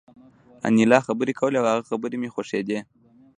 انیلا خبرې کولې او د هغې خبرې مې خوښېدې